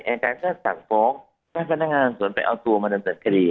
อายการก็สั่งฟ้องให้พนักงานสวนไปเอาตัวมาดำเนินคดี